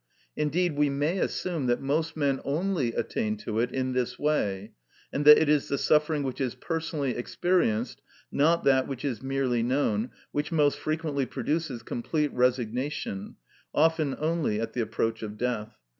Indeed, we may assume that most men only attain to it in this way, and that it is the suffering which is personally experienced, not that which is merely known, which most frequently produces complete resignation, often only at the approach of death.